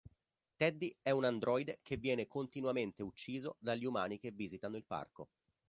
Teddy è un androide che viene continuamente ucciso dagli umani che visitano il parco.